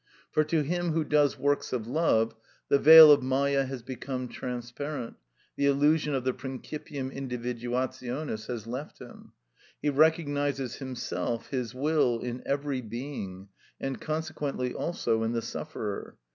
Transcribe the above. For to him who does works of love the veil of Mâyâ has become transparent, the illusion of the principium individuationis has left him. He recognises himself, his will, in every being, and consequently also in the sufferer.